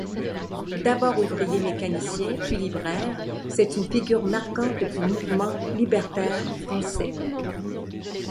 D'abord ouvrier mécanicien puis libraire, c'est une figure marquante du mouvement libertaire français.